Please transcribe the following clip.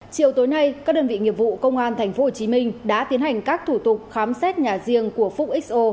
chiều tối nay các đơn vị nghiệp vụ công an tp hcm đã tiến hành các thủ tục khám xét nhà riêng của phúc xo